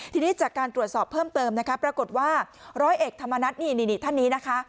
ทีนี้จากการตรวจสอบเพิ่มเติมนะคะปรากฏว่าร้อยเอกธรรมนัฐนี่ท่านนี้นะคะ